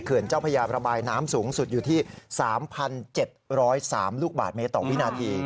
เขื่อนเจ้าพญาระบายน้ำสูงสุดอยู่ที่สามพันเจ็ดร้อยสามลูกบาทเมตรต่อวินาที